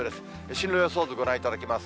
進路予想図、ご覧いただきます。